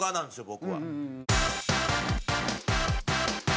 僕は。